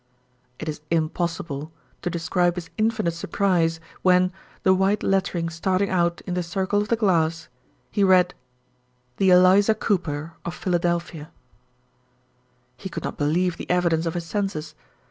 It is impossible to describe his infinite surprise when, the white lettering starting out in the circle of the glass, he read, The Eliza Cooper, of Philadelphia. He could not believe the evidence of his senses.